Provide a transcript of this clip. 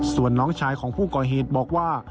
ส่วนน้องชายของผู้ก่อเหตุบอกว่า